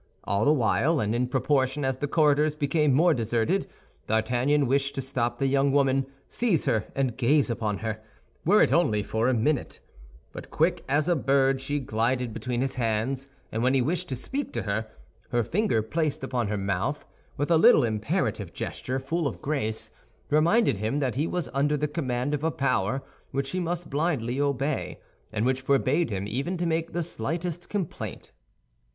All the way, and in proportion as the corridors became more deserted, D'Artagnan wished to stop the young woman, seize her and gaze upon her, were it only for a minute; but quick as a bird she glided between his hands, and when he wished to speak to her, her finger placed upon her mouth, with a little imperative gesture full of grace, reminded him that he was under the command of a power which he must blindly obey, and which forbade him even to make the slightest complaint.